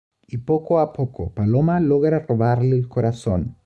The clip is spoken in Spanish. Y poco a poco, Paloma logra robarle el corazón.